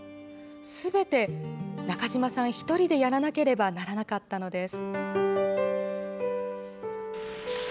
すべて中島さん１人でやらなければならなかったのです。